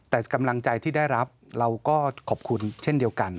แต่กำลังใจที่ได้รับเราก็ขอบคุณเช่นเดียวกัน